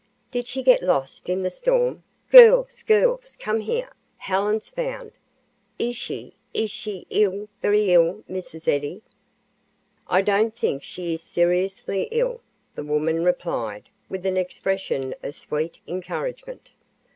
Did she get lost in the storm? Girls, girls! Come here! Helen's found! Is she is she ill very ill, Mrs. Eddy?" "I don't think she is seriously ill," the woman replied, with an expression of sweet encouragement.